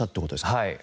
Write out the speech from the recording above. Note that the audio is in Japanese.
はい。